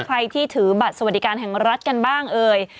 ใครที่ถือบัตรสวัสดิการแห่งรัฐกันบ้างเอ่ย